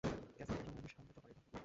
ক্যাসেভেক এর সময় আমি সামনের চপারেই থাকব।